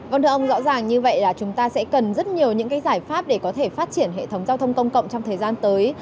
vâng thưa ông rõ ràng như vậy là chúng ta sẽ cần rất nhiều những cái giải pháp để có thể phát triển hệ thống giao thông công cộng trong thời gian tới